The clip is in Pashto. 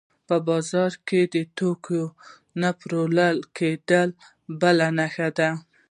په بازار کې د توکو نه پلورل کېدل بله نښه ده